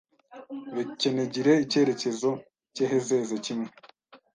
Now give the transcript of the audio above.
bekenegire icyerekezo cy’ehezeze kimwe